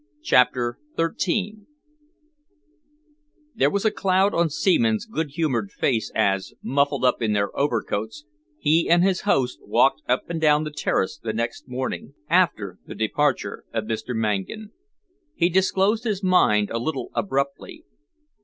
CHAPTER XIII There was a cloud on Seaman's good humoured face as, muffled up in their overcoats, he and his host walked up and down the terrace the next morning, after the departure of Mr. Mangan. He disclosed his mind a little abruptly.